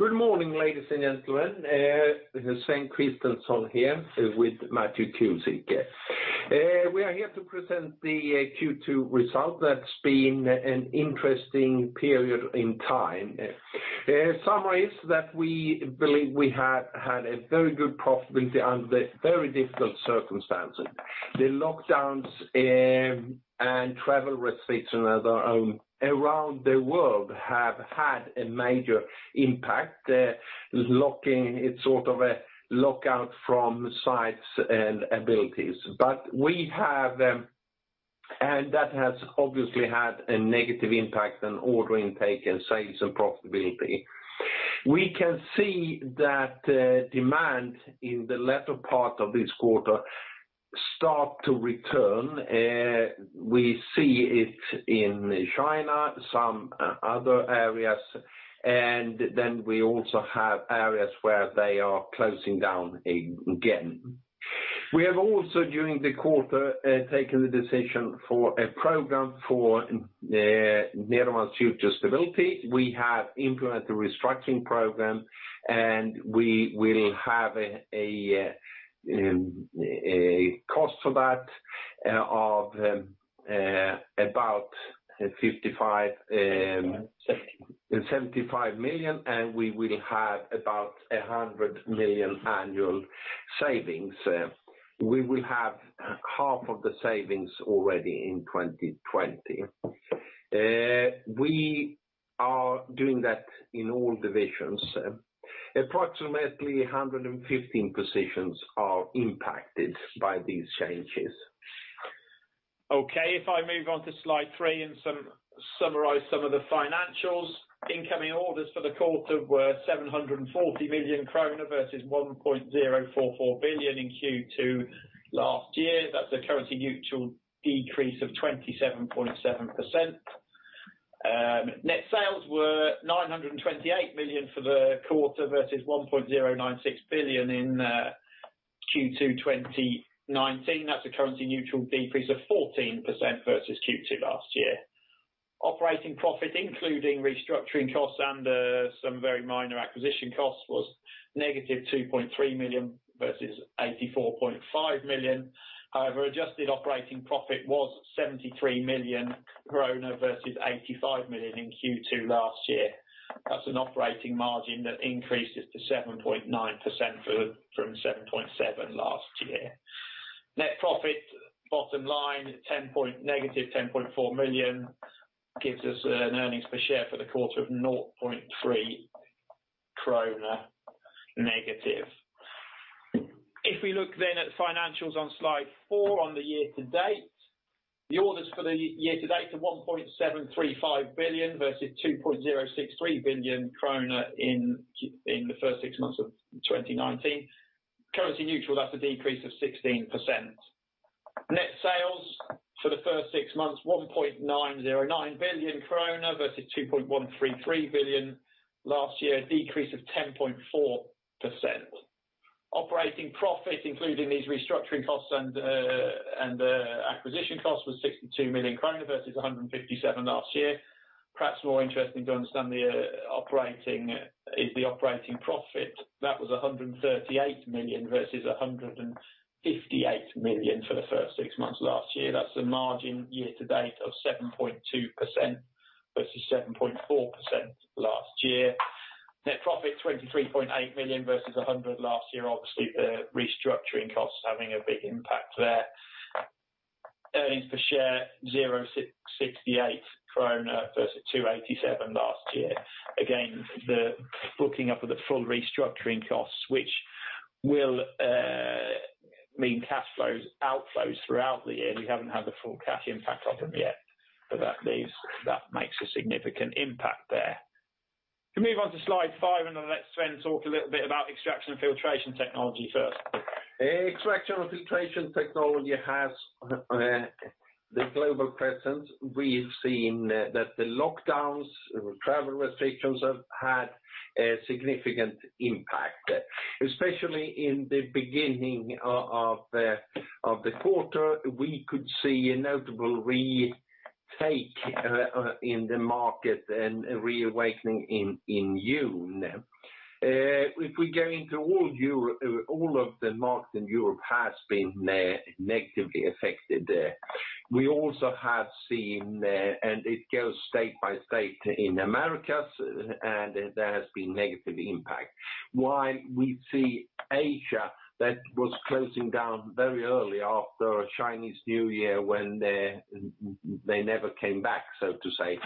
Good morning, ladies and gentlemen. This is Sven Kristensson here with Matthew Cusick. We are here to present the Q2 result. That's been an interesting period in time. Summary is that we believe we have had a very good profitability under the very difficult circumstances. The lockdowns and travel restrictions around the world have had a major impact. It's sort of a lockout from sites and abilities. That has obviously had a negative impact on order intake and sales and profitability. We can see that demand in the latter part of this quarter start to return. We see it in China, some other areas, then we also have areas where they are closing down again. We have also, during the quarter, taken the decision for a program for Nederman's future stability. We have implemented a restructuring program. We will have a cost for that of about 75 million. We will have about 100 million annual savings. We will have half of the savings already in 2020. We are doing that in all divisions. Approximately 115 positions are impacted by these changes. Okay, if I move on to slide three and summarize some of the financials. Incoming orders for the quarter were 740 million krona versus 1.044 billion in Q2 last year. That's a currency-neutral decrease of 27.7%. Net sales were 928 million for the quarter versus 1.096 billion in Q2 2019. That's a currency-neutral decrease of 14% versus Q2 last year. Operating profit, including restructuring costs and some very minor acquisition costs, was negative 2.3 million versus 84.5 million. However, adjusted operating profit was 73 million versus 85 million in Q2 last year. That's an operating margin that increases to 7.9% from 7.7% last year. Net profit, bottom line, negative 10.4 million, gives us an earnings per share for the quarter of 0.3 krona negative. If we look then at the financials on slide four on the year to date, the orders for the year to date are 1.735 billion versus 2.063 billion krona in the first six months of 2019. Currency neutral, that's a decrease of 16%. Net sales for the first six months, 1.909 billion krona versus 2.133 billion last year, a decrease of 10.4%. Operating profit, including these restructuring costs and acquisition costs, was 62 million kronor versus 157 million last year. Perhaps more interesting to understand is the operating profit. That was 138 million versus 158 million for the first six months last year. That's a margin year to date of 7.2% versus 7.4% last year. Net profit 23.8 million versus 100 million last year. Obviously, the restructuring costs having a big impact there. Earnings per share 0.68 krona versus 2.87 last year. The booking up of the full restructuring costs, which will mean cash outflows throughout the year. We haven't had the full cash impact of them yet, but that makes a significant impact there. We move on to slide five, and then let Sven talk a little bit about Extraction & Filtration Technology first. Extraction & Filtration Technology has the global presence. We've seen that the lockdowns, travel restrictions have had a significant impact, especially in the beginning of the quarter. We could see a notable retake in the market and reawakening in June. Going into all of the markets in Europe has been negatively affected there. We also have seen, and it goes state by state in Americas, there has been negative impact. While we see Asia that was closing down very early after Chinese New Year when they never came back, so to say.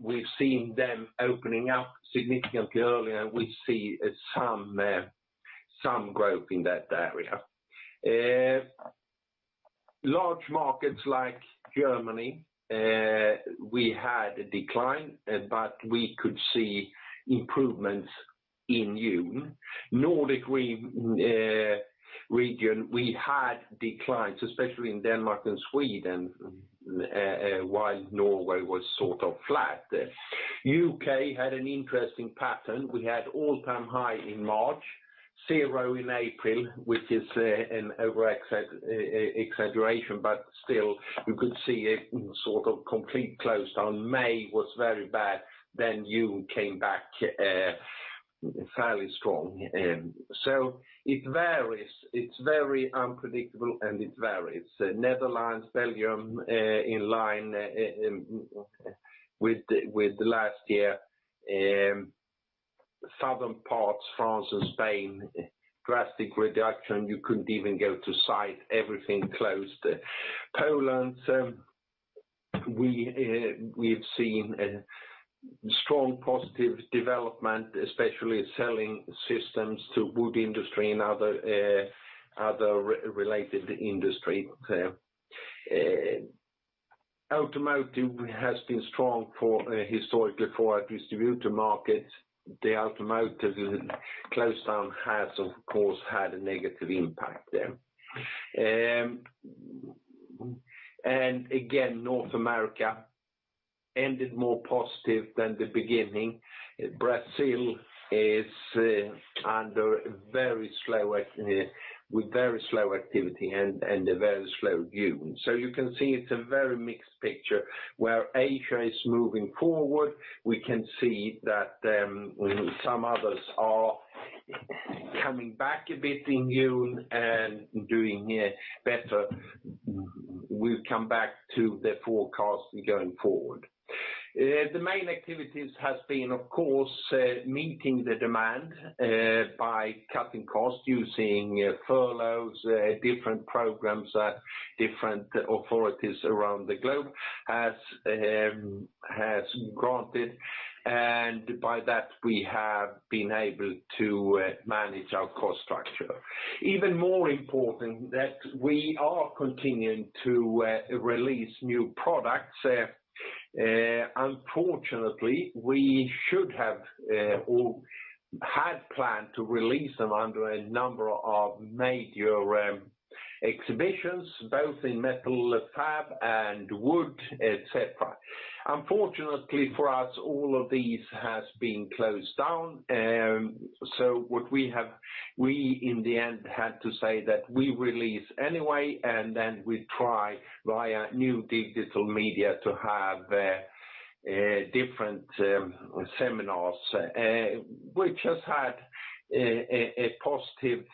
We've seen them opening up significantly early, and we see some growth in that area. Large markets like Germany, we had a decline, but we could see improvements in June. Nordic region, we had declines, especially in Denmark and Sweden, while Norway was sort of flat. U.K. had an interesting pattern. We had all-time high in March Zero in April, which is an over exaggeration, but still, you could see a sort of complete close down. May was very bad, June came back fairly strong. It varies. It's very unpredictable, and it varies. Netherlands, Belgium, in line with the last year. Southern parts, France and Spain, drastic reduction. You couldn't even go to site, everything closed. Poland, we've seen a strong positive development, especially selling systems to wood industry and other related industry. Automotive has been strong historically for our distributor market. The automotive closed down has, of course, had a negative impact there. Again, North America ended more positive than the beginning. Brazil is under with very slow activity and a very slow June. You can see it's a very mixed picture where Asia is moving forward, we can see that some others are coming back a bit in June and doing better. We'll come back to the forecast going forward. The main activities has been, of course, meeting the demand by cutting costs, using furloughs, different programs, different authorities around the globe has granted, and by that we have been able to manage our cost structure. Even more important that we are continuing to release new products. Unfortunately, we should have or had planned to release them under a number of major exhibitions, both in metal fab and wood, et cetera. Unfortunately for us, all of these has been closed down. What we in the end had to say that we release anyway, we try via new digital media to have different seminars, which has been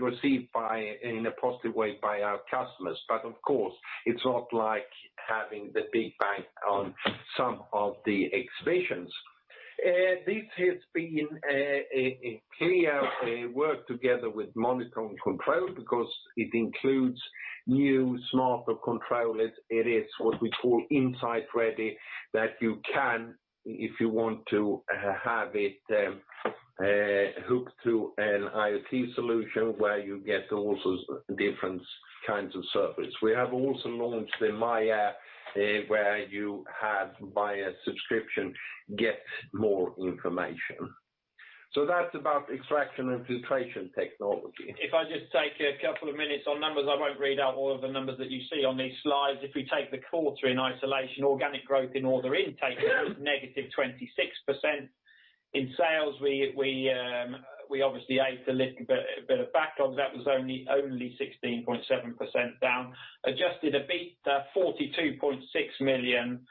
received in a positive way by our customers. Of course, it's not like having the big bang on some of the exhibitions. This has been a clear work together with Monitoring & Control because it includes new smarter controllers. It is what we call Insight Ready, that you can, if you want to have it hooked to an IoT solution where you get also different kinds of service. We have also launched the myAir, where you have, via subscription, get more information. That's about Extraction & Filtration Technology. If I just take a couple of minutes on numbers, I won't read out all of the numbers that you see on these slides. If we take the quarter in isolation, organic growth in order intake was negative 26%. In sales, we obviously ate a little bit of backlog that was only 16.7% down. Adjusted EBIT, 42.6 million krona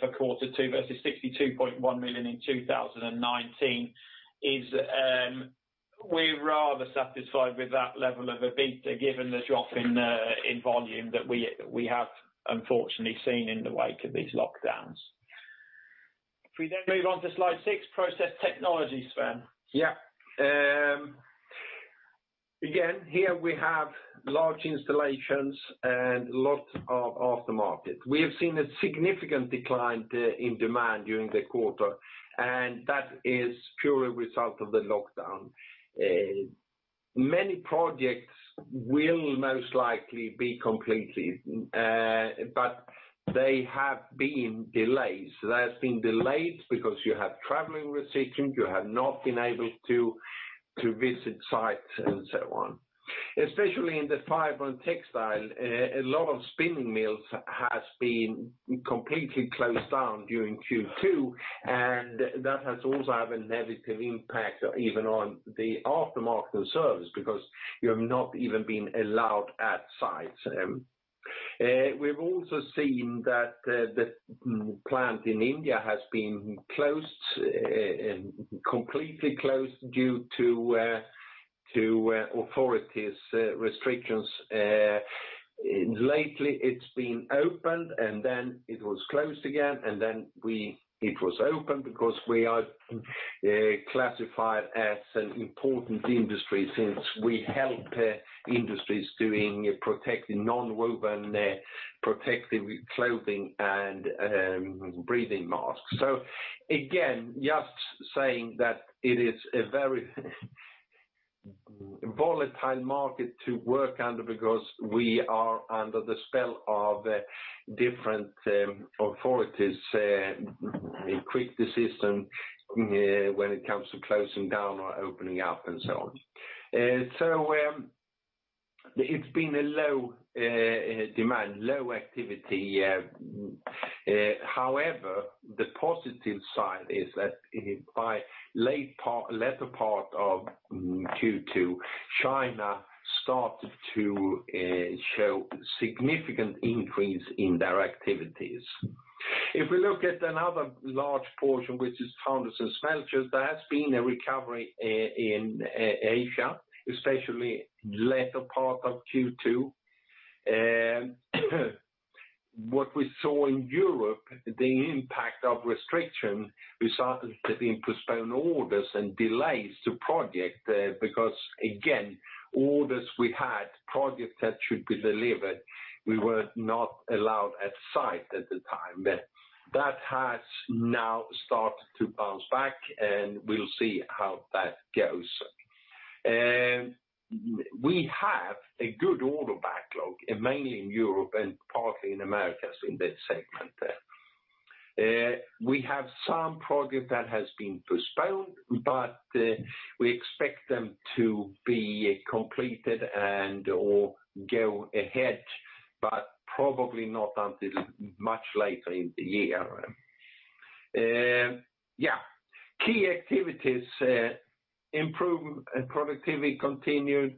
for quarter two versus 62.1 million in 2019, is we're rather satisfied with that level of EBIT given the drop in volume that we have unfortunately seen in the wake of these lockdowns. If we move on to slide six, Process Technology, Sven. Again, here we have large installations and lots of aftermarket. We have seen a significant decline in demand during the quarter. That is purely a result of the lockdown. Many projects will most likely be completed. They have been delayed. They have been delayed because you have traveling restrictions, you have not been able to visit sites and so on. Especially in the fiber and textile, a lot of spinning mills has been completely closed down during Q2, and that has also had a negative impact even on the aftermarket and service, because you have not even been allowed at sites. We've also seen that the plant in India has been completely closed due to authorities restrictions. Lately, it's been opened. It was closed again, it was opened because we are classified as an important industry since we help industries doing non-woven protective clothing and breathing masks. Again, just saying that it is a very volatile market to work under because we are under the spell of different authorities' quick decision when it comes to closing down or opening up and so on. It's been a low demand, low activity. However, the positive side is that by latter part of Q2, China started to show significant increase in their activities. If we look at another large portion, which is foundries and smelters, there has been a recovery in Asia, especially latter part of Q2. What we saw in Europe, the impact of restriction, we started seeing postponed orders and delays to project, because again, orders we had, projects that should be delivered, we were not allowed at site at the time. That has now started to bounce back, we'll see how that goes. We have a good order backlog, mainly in Europe and partly in Americas in that segment there. We have some project that has been postponed, but we expect them to be completed and/or go ahead, but probably not until much later in the year. Key activities, improvement in productivity continued.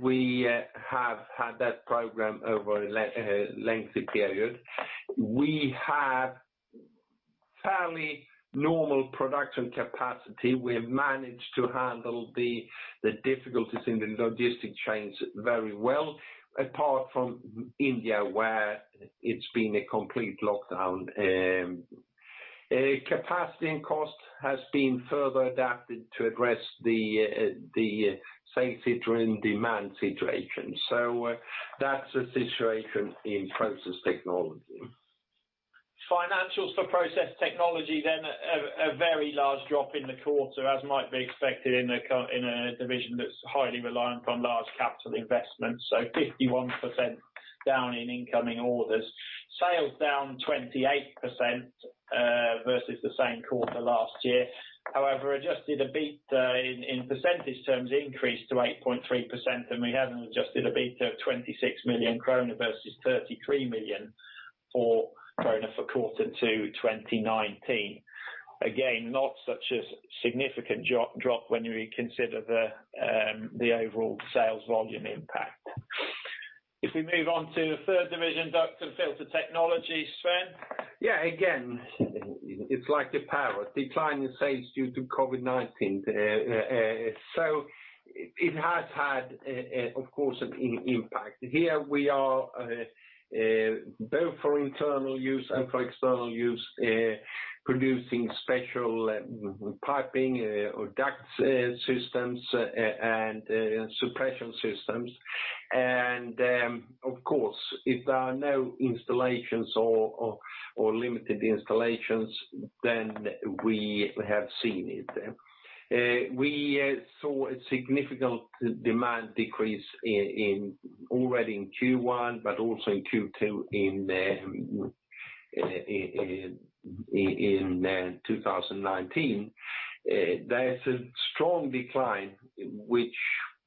We have had that program over a lengthy period. We have fairly normal production capacity. We've managed to handle the difficulties in the logistic chains very well, apart from India, where it's been a complete lockdown. Capacity and cost has been further adapted to address the safety during demand situation. That's the situation in Process Technology. Financials for Process Technology, a very large drop in the quarter, as might be expected in a division that's highly reliant on large capital investments, 51% down in incoming orders. Sales down 28% versus the same quarter last year. However, adjusted EBIT, in percentage terms, increased to 8.3%. We had an adjusted EBIT of 26 million krona versus 33 million krona for quarter two 2019. Not such a significant drop when we consider the overall sales volume impact. If we move on to the third division, Duct & Filter Technology, Sven? Yeah, it's like the power, decline in sales due to COVID-19. It has had, of course, an impact. Here we are both for internal use and for external use, producing special piping or duct systems and suppression systems. Of course, if there are no installations or limited installations, we have seen it. We saw a significant demand decrease already in Q1, but also in Q2 in 2019. There's a strong decline, which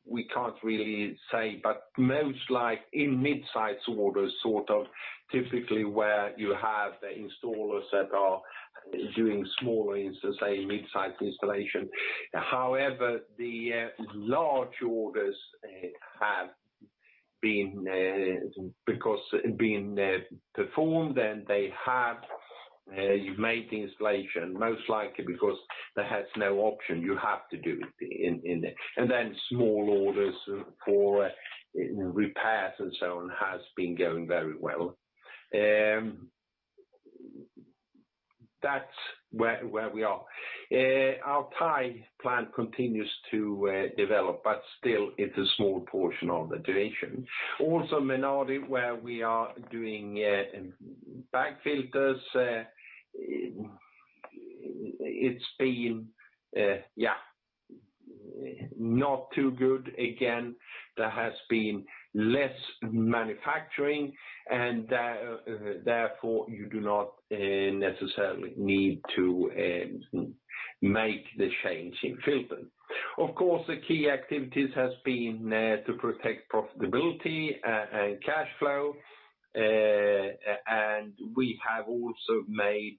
we can't really say, but most likely in mid-sized orders, sort of typically where you have the installers that are doing smaller, say mid-sized installation. However, the large orders have been performed, they have made the installation, most likely because there has no option, you have to do it. Small orders for repairs and so on has been going very well. That's where we are. Our Thai plant continues to develop, but still it's a small portion of the division. Menardi, where we are doing bag filters, it's been not too good. Again, there has been less manufacturing, and therefore you do not necessarily need to make the change in filter. Of course, the key activities has been to protect profitability and cash flow, and we have also made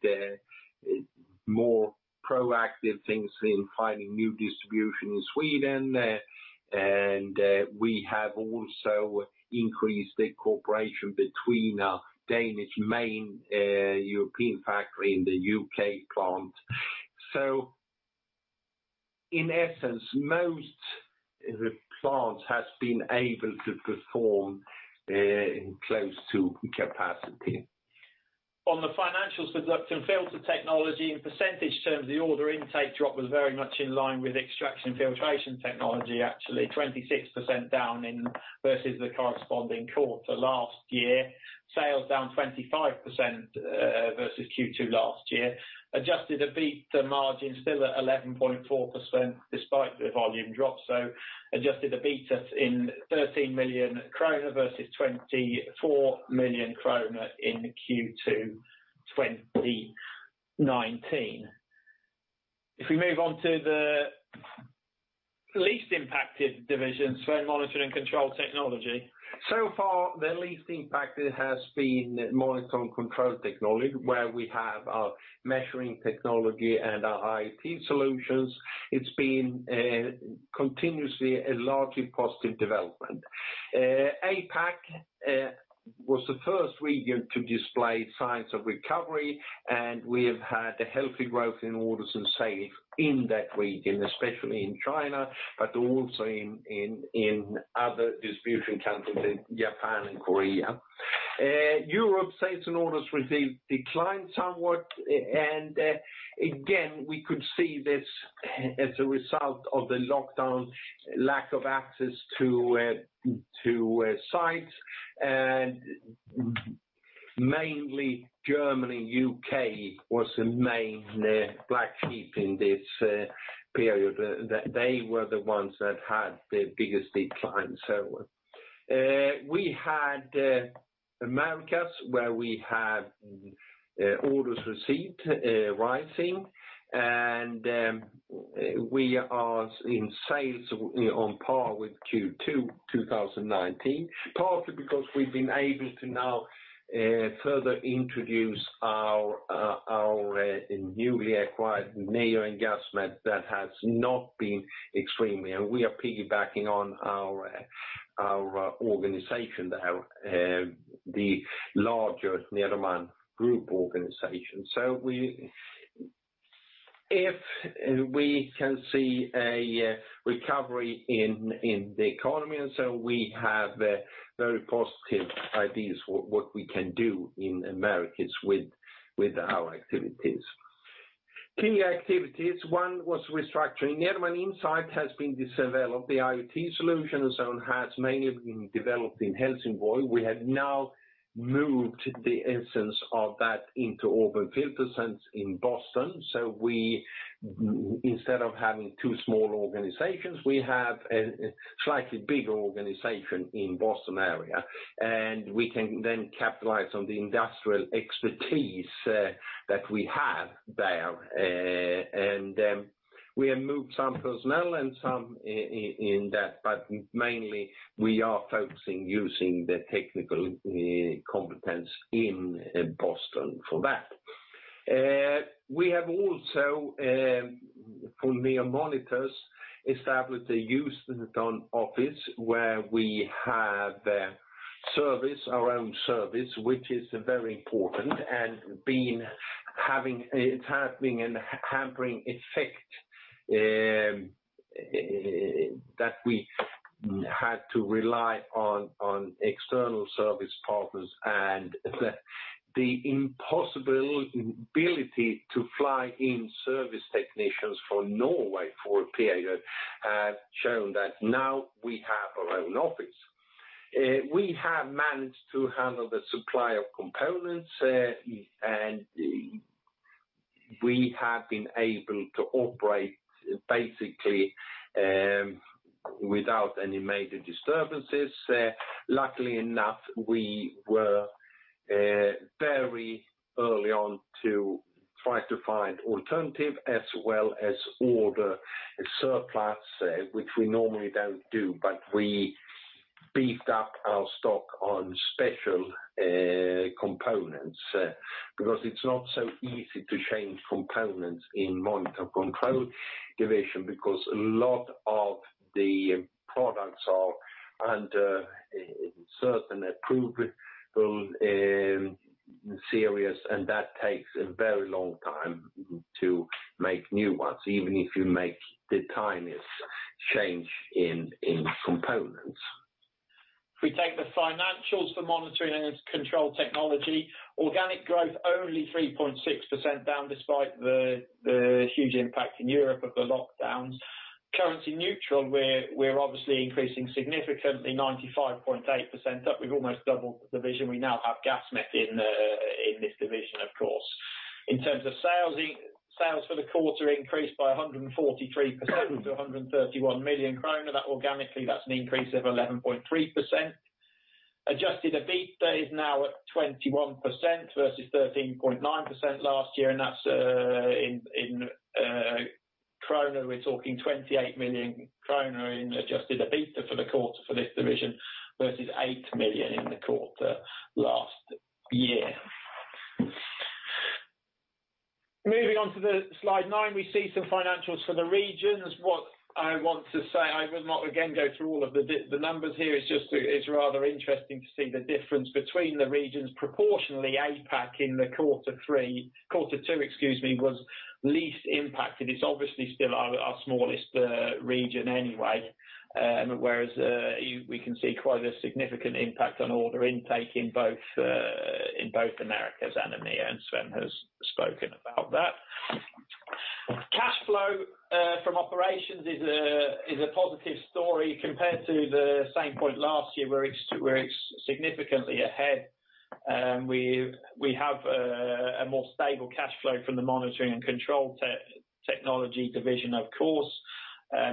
more proactive things in finding new distribution in Sweden, and we have also increased the cooperation between our Danish main European factory and the U.K. plant. In essence, most plants has been able to perform in close to capacity. On the financials for Duct & Filter Technology, in percentage terms, the order intake drop was very much in line with Extraction & Filtration Technology, actually 26% down versus the corresponding quarter last year. Sales down 25% versus Q2 last year. Adjusted EBIT margin still at 11.4% despite the volume drop. Adjusted EBIT in 13 million krona versus 24 million krona in Q2 2019. If we move on to the least impacted division, Sven, Monitoring & Control Technology. Far, the least impacted has been Monitoring & Control Technology, where we have our measuring technology and our IoT solutions. It's been continuously a largely positive development. APAC was the first region to display signs of recovery, and we have had a healthy growth in orders and sales in that region, especially in China, but also in other distribution countries, in Japan and Korea. Europe sales and orders received declined somewhat, and again, we could see this as a result of the lockdown, lack of access to sites. Mainly Germany, U.K. was the main black sheep in this period. They were the ones that had the biggest decline, so on. We had Americas, where we had orders received rising, and we are in sales on par with Q2 2019, partly because we've been able to now further introduce our newly acquired NEO Monitors and Gasmet. We are piggybacking on our organization there, the larger Nederman group organization. If we can see a recovery in the economy, we have very positive ideas what we can do in Americas with our activities. Key activities, one was restructuring. Nederman Insight has been developed, the IoT solution zone has mainly been developed in Helsingborg. We have now moved the essence of that into Auburn FilterSense in Boston. Instead of having two small organizations, we have a slightly bigger organization in Boston area, and we can then capitalize on the industrial expertise that we have there. We have moved some personnel and some in that, but mainly we are focusing using the technical competence in Boston for that. We have also, for NEO Monitors, established a Houston office where we have service, our own service, which is very important, and it had been a hampering effect, that we had to rely on external service partners and the impossibility to fly in service technicians from Norway for a period had shown that now we have our own office. We have managed to handle the supply of components, and we have been able to operate basically without any major disturbances. Luckily enough, we were very early on to try to find alternative as well as order surplus, which we normally don't do, but we beefed up our stock on special components because it's not so easy to change components in Monitor Control Division because a lot of the products are under certain approval series, and that takes a very long time to make new ones, even if you make the tiniest change in components. If we take the financials for Monitoring & Control Technology, organic growth only 3.6% down despite the huge impact in Europe of the lockdowns. Currency neutral, we're obviously increasing significantly 95.8% up. We've almost doubled the division. We now have Gasmet in this division, of course. In terms of sales for the quarter increased by 143% to 131 million krona. That organically, that's an increase of 11.3%. Adjusted EBITDA is now at 21% versus 13.9% last year, and that's in SEK. We're talking 28 million krona in adjusted EBITDA for the quarter for this division versus 8 million in the quarter last year. Moving on to the slide nine, we see some financials for the regions. What I want to say, I will not again go through all of the numbers here. It's rather interesting to see the difference between the regions proportionally APAC in the quarter three, quarter two, excuse me, was least impacted. It's obviously still our smallest region anyway, whereas we can see quite a significant impact on order intake in both Americas and EMEA, and Sven has spoken about that. Cash flow from operations is a positive story compared to the same point last year where it's significantly ahead. We have a more stable cash flow from the Monitoring & Control Technology Division, of course.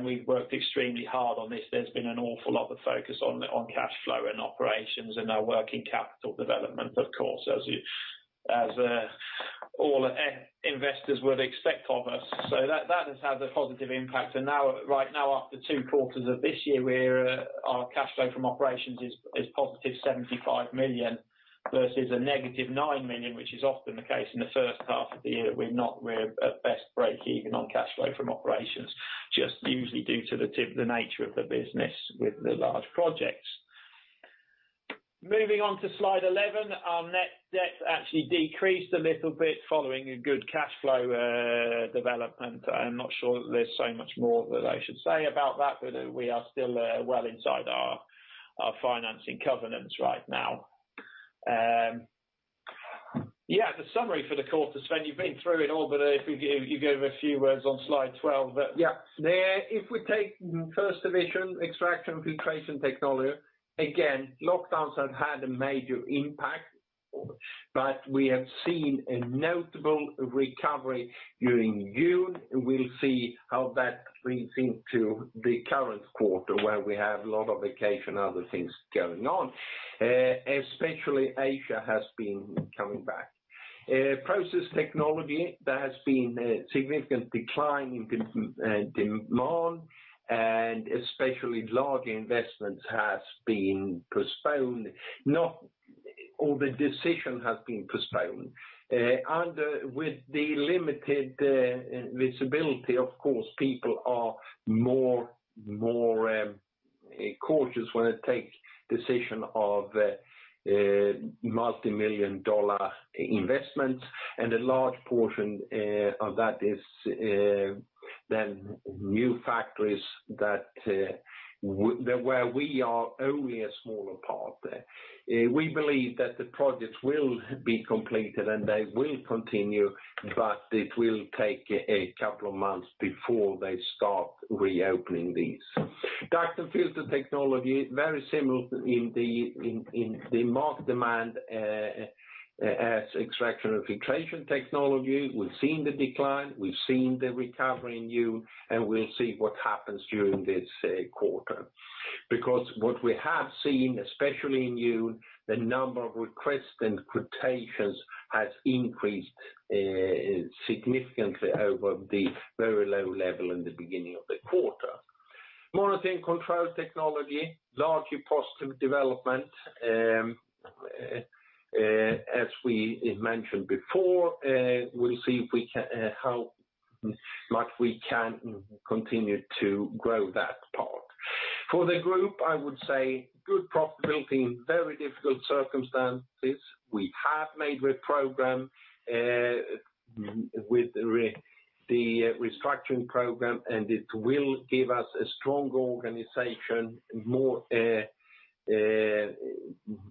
We've worked extremely hard on this. There's been an awful lot of focus on cash flow and operations and our working capital development, of course, as all investors would expect of us. That has had a positive impact. Right now, after two quarters of this year, our cash flow from operations is positive 75 million versus a negative 9 million, which is often the case in the first half of the year that we're at best break even on cash flow from operations, just usually due to the nature of the business with the large projects. Moving on to slide 11. Our net debt actually decreased a little bit following a good cash flow development. I'm not sure there's so much more that I should say about that, but we are still well inside our financing covenants right now. The summary for the quarter, Sven, you've been through it all, but if you give a few words on slide 12. If we take first division, Extraction & Filtration Technology, again, lockdowns have had a major impact, but we have seen a notable recovery during June. We'll see how that brings into the current quarter, where we have a lot of vacation, other things going on, especially Asia has been coming back. Process Technology. There has been a significant decline in demand, and especially large investments has been postponed. Not all the decision has been postponed. With the limited visibility, of course, people are more cautious when they take decision of multimillion-dollar investments. A large portion of that is then new factories where we are only a smaller part. We believe that the projects will be completed, and they will continue, but it will take a couple of months before they start reopening these. Duct & Filter Technology, very similar in the marked demand as Extraction & Filtration Technology. We've seen the decline, we've seen the recovery in June, and we'll see what happens during this quarter. What we have seen, especially in June, the number of requests and quotations has increased significantly over the very low level in the beginning of the quarter. Monitoring & Control Technology. Largely positive development. As we mentioned before, we'll see how much we can continue to grow that part. For the group, I would say good profitability in very difficult circumstances. We have made the restructuring program, and it will give us a strong organization, more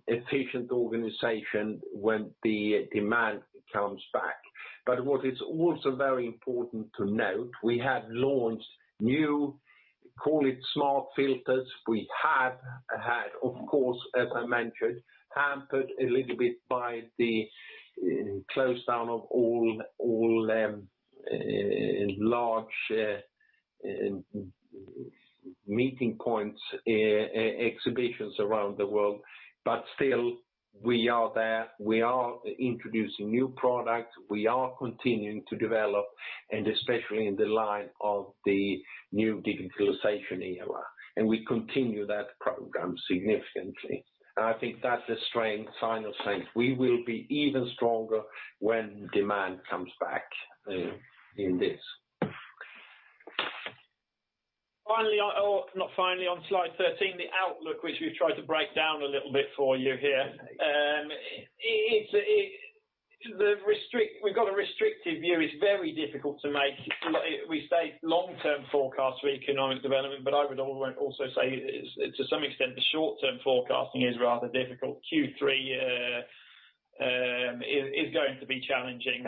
efficient organization when the demand comes back. What is also very important to note, we have launched new, call it smart filters. We have had, of course, as I mentioned, hampered a little bit by the close down of all large meeting points, exhibitions around the world. Still, we are there. We are introducing new products. We are continuing to develop, especially in the line of the new digitalization era. We continue that program significantly. I think that's a sign of things. We will be even stronger when demand comes back in this. Finally, or not finally, on slide 13, the outlook, which we've tried to break down a little bit for you here. We've got a restrictive view. It's very difficult to make, we say long-term forecasts for economic development, but I would also say, to some extent, the short-term forecasting is rather difficult. Q3 is going to be challenging.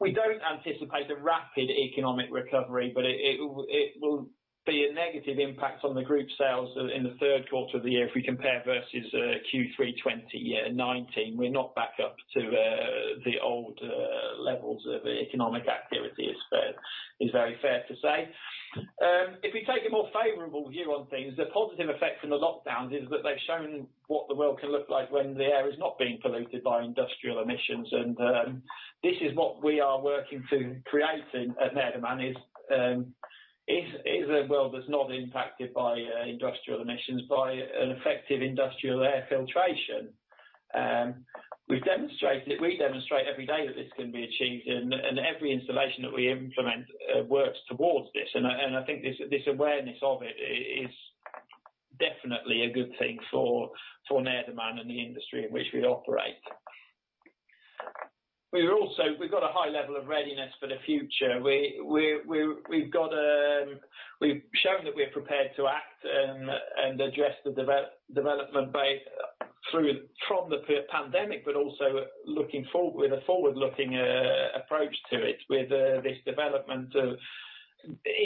We don't anticipate a rapid economic recovery, but it will be a negative impact on the group sales in the third quarter of the year if we compare versus Q3 2019. We're not back up to the old levels of economic activity, it's very fair to say. If we take a more favorable view on things, the positive effect from the lockdowns is that they've shown what the world can look like when the air is not being polluted by industrial emissions. This is what we are working to creating at Nederman is a world that's not impacted by industrial emissions by an effective industrial air filtration. We demonstrate every day that this can be achieved, and every installation that we implement works towards this. I think this awareness of it is definitely a good thing for Nederman and the industry in which we operate. We've got a high level of readiness for the future. We've shown that we're prepared to act and address the development both from the pandemic, but also with a forward-looking approach to it with this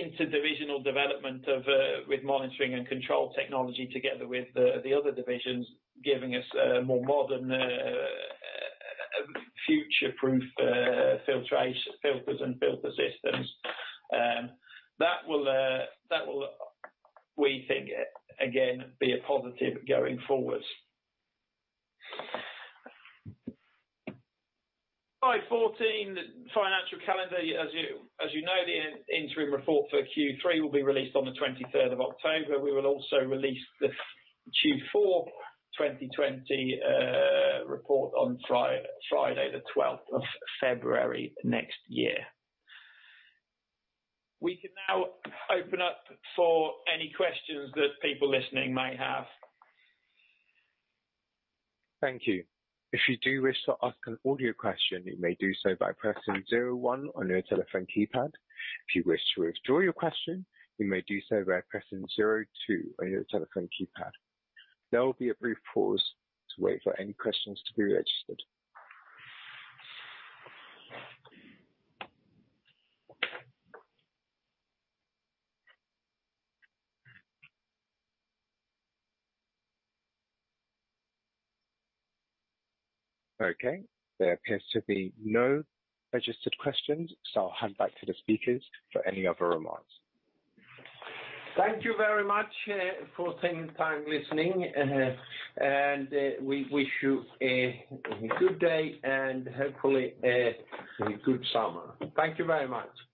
interdivisional development with Monitoring & Control Technology together with the other divisions, giving us a more modern future-proof filters and filter systems. That will, we think, again, be a positive going forward. Slide 14, financial calendar. As you know, the interim report for Q3 will be released on the 23rd of October. We will also release the Q4 2020 report on Friday the 12th of February next year. We can now open up for any questions that people listening may have. Thank you. If you do wish to ask an audio question, you may do so by pressing zero one on your telephone keypad. If you wish to withdraw your question, you may do so by pressing zero two on your telephone keypad. There will be a brief pause to wait for any questions to be registered. Okay. There appears to be no registered questions, so I'll hand back to the speakers for any other remarks. Thank you very much for taking time listening, we wish you a good day and hopefully a good summer. Thank you very much. Thank you.